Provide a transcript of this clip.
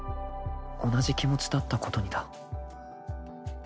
同じ気持ちだったことにだ］